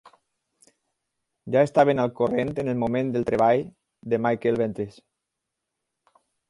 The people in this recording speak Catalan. Ja estaven al corrent en el moment del treball de Michael Ventris.